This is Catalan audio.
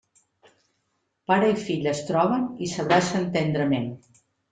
Pare i filla es troben i s’abracen tendrament.